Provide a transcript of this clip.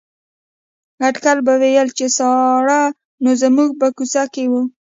اټکل به ویل چې ساړه نو زموږ په کوڅه کې وو.